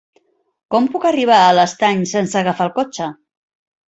Com puc arribar a l'Estany sense agafar el cotxe?